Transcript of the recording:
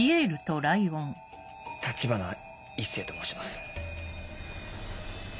橘一星と申します。